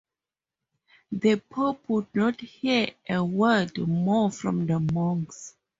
The Pope would not hear a word more from the monks.